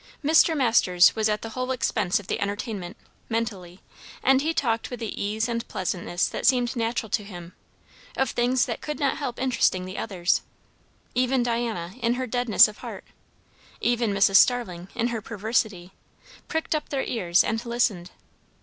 Mr. Masters was at the whole expense of the entertainment, mentally; and he talked with the ease and pleasantness that seemed natural to him, of things that could not help interesting the others; even Diana in her deadness of heart, even Mrs. Starling in her perversity, pricked up their ears and listened.